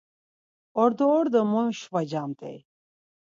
Ordo ordo moyşvacamt̆ey.